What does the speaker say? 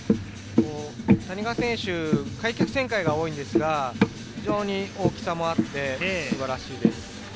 谷川選手、開脚旋回が多いんですが、非常に大きさもあって素晴らしいです。